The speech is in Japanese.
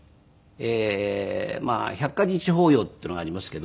百箇日法要っていうのがありますけど。